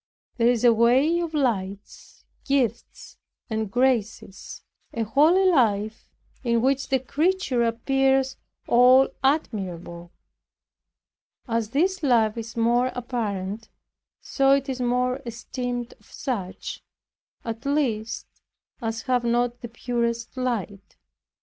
There is a way of lights, gifts and graces, a holy life in which the creature appears all admirable. As this life is more apparent, so it is more esteemed of such, at least, as have not the purest light.